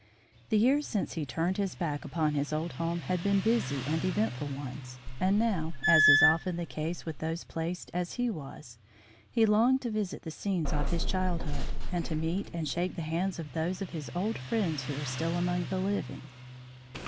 The years since he turned his back upon his old home had been busy and eventful ones and now, as is often the case with those placed as was he, he longed to visit the scenes of his childhood, and to meet and shake the hands of those of his old friends who were still among the living.